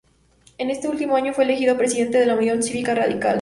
En este último año fue elegido presidente de la Unión Cívica Radical.